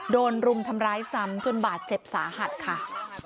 รุมทำร้ายซ้ำจนบาดเจ็บสาหัสค่ะ